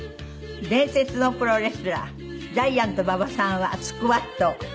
伝説のプロレスラージャイアント馬場さんはスクワットを。